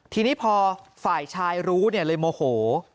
ทีนี้พอฝ่ายชายรู้เลยโมโห